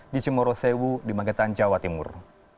di cemorosewu di magetan jawa timur